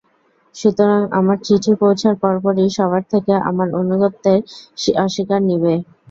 সুতরাং আমার চিঠি পৌঁছার পরপরই সবার থেকে আমার অনুগত্যের অঙ্গীকার নিবে।